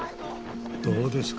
どうですか？